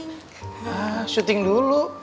hah syuting dulu